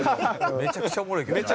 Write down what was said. めちゃくちゃおもろいけどなあれ。